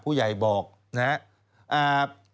ผู้ใหญ่บอกนะอ่ะผู้ใหญ่บอก